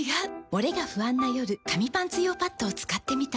モレが不安な夜紙パンツ用パッドを使ってみた。